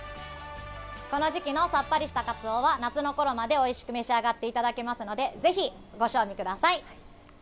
この時期のさっぱりしたカツオは夏のころまでおいしく召し上がっていただけますのでぜひご賞味ください。